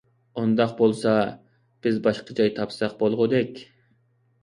ئۇنداق بولسا بىز باشقا جاي تاپساق بولغۇدەك.